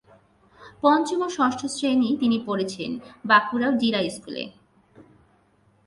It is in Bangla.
পঞ্চম ও ষষ্ঠ শ্রেণী তিনি পড়েছেন বাঁকুড়া জিলা স্কুলে।